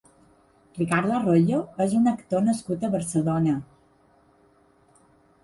Ricardo Arroyo és un actor nascut a Barcelona.